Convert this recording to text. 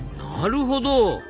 なるほど！